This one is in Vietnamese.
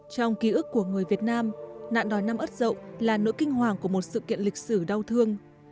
trong ký ức của người việt nam nạn đòi năm ớt rộng là nỗi kinh hoàng của một sự kiện lịch sử đau thương